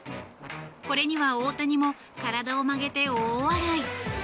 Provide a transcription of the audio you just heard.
これには大谷も体を曲げて大笑い。